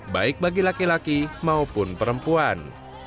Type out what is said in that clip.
baik bagi laki laki maupun perempuan